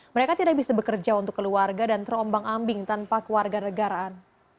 mereka tidak bisa bekerja untuk keluarga dan terombang ambing tanpa keluarga negaraan